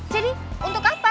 jadi untuk apa